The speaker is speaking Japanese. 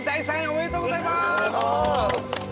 おめでとうございます！